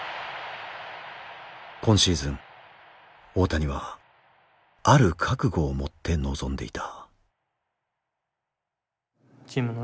今シーズン大谷はある覚悟を持って臨んでいた。